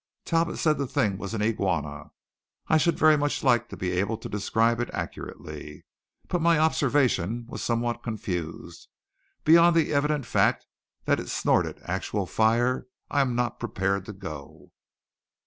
Talbot said the thing was an iguana. I should like very much to be able to describe it accurately, but my observation was somewhat confused. Beyond the evident fact that it snorted actual fire, I am not prepared to go.